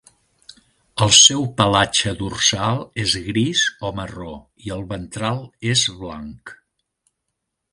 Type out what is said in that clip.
El seu pelatge dorsal és gris o marró i el ventral és blanc.